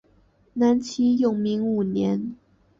南齐永明五年。